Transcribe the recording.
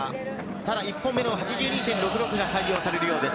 ただ１本目の８２．６６が採用されるようです。